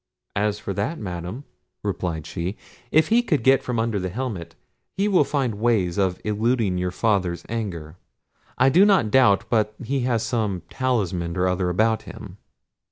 "As for that, Madam," replied she, "if he could get from under the helmet, he will find ways of eluding your father's anger. I do not doubt but he has some talisman or other about him."